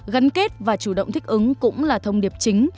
gắn kết và chủ động thích ứng cũng là thông điệp chính